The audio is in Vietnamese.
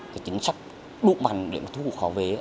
chính sách đúc mạnh để thu hút họ về